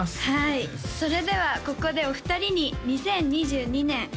はいそれではここでお二人に２０２２年